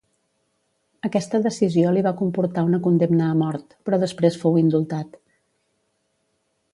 Aquesta decisió li va comportar una condemna a mort, però després fou indultat.